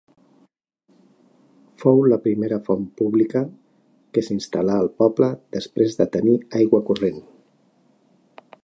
Fou la primera font pública que s'instal·la en la població després de tenir aigua corrent.